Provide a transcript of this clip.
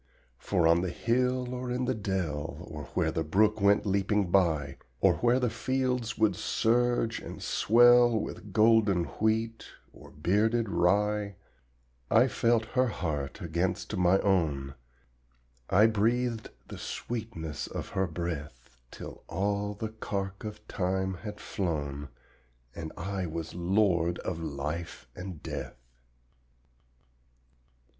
For on the hill or in the dell, Or where the brook went leaping by Or where the fields would surge and swell With golden wheat or bearded rye, I felt her heart against my own, I breathed the sweetness of her breath, Till all the cark of time had flown, And I was lord of life and death.